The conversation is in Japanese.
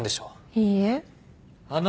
いいえ。